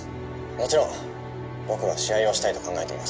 「もちろん僕は試合をしたいと考えています」